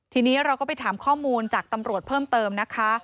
ทีนี้เราก็ไปถามข้อมูลจากตำรวจเพิ่มเติมนะคะ